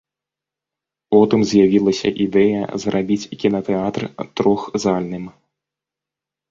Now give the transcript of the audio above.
Потым з'явілася ідэя зрабіць кінатэатр трохзальным.